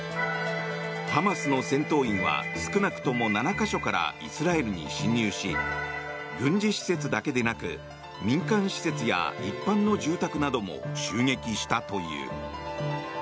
ハマスの戦闘員は少なくとも７か所からイスラエルに侵入し軍事施設だけでなく民間施設や一般の住宅なども襲撃したという。